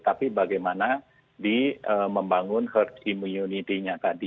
tapi bagaimana di membangun herd immunity nya tadi